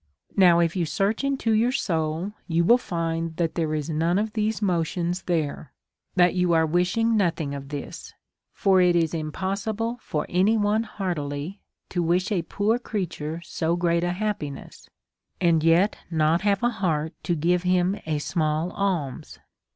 Now, if you search g2 84 A SERIOUS CALL TO A into your soul, you will find that there is none of these motions there^ that you are wishing nothing of this ; for it is impossible for any one heartily to wish a poor creature so great a happiness, and yet not have a heart to give him a small alms.